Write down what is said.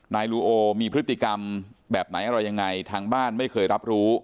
ลูโอมีพฤติกรรมแบบไหนอะไรยังไงทางบ้านไม่เคยรับรู้